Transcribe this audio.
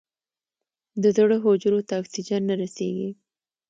د زړه حجرو ته اکسیجن نه رسېږي.